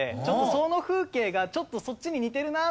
その風景がちょっとそっちに似てるなと思って。